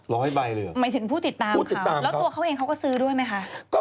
ใบเลยเหรอหมายถึงผู้ติดตามข่าวแล้วตัวเขาเองเขาก็ซื้อด้วยไหมคะ